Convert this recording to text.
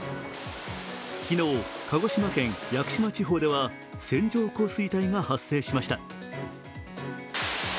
昨日、鹿児島県・屋久島地方では線状降水帯が発生しました。